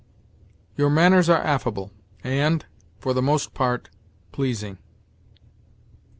"Your manners are affable, and, for the most part, pleasing."